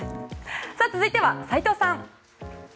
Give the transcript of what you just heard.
続いては斎藤さん。